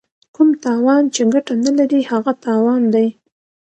کوم تاوان چې ګټه نه لري هغه تاوان دی.